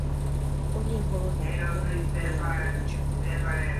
Onye hụrụ na ihe gburu nne ya bụ eju